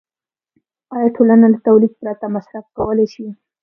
آیا ټولنه له تولید پرته مصرف کولی شي